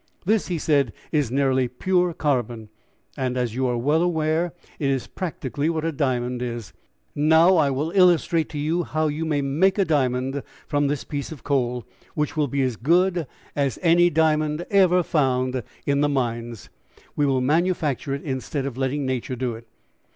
"This," he said, "is nearly pure carbon, and as you are well aware it is practically what a diamond is. Now, I will illustrate to you how you may make a diamond from this piece of coal, which will be as good as any diamond ever found in the mines. We will manufacture it instead of letting nature do it.